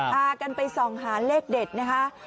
พากันไปส่องหาเลขเด็ดนะคะ